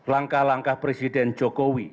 langkah langkah presiden jokowi